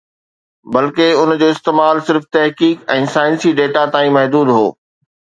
بلڪه، ان جو استعمال صرف تحقيق ۽ سائنسي ڊيٽا تائين محدود هو